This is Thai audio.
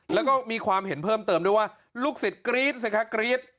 แล้วก็มีความเห็นเพิ่มเติมด้วยว่าลูกศิษย์กรี๊ดสิคะกรี๊ด